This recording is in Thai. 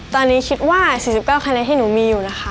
ตอนนี้คิดว่าสี่สิบเก้าคะแนนที่หนูมีอยู่นะคะ